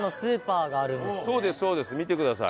そうですそうです見てください。